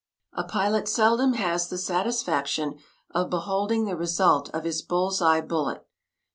] A pilot seldom has the satisfaction of beholding the result of his bull's eye bullet.